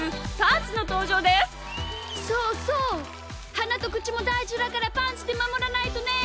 はなとくちもだいじだからパンツでまもらないとね！